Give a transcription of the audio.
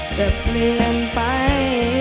จะเปลี่ยนไป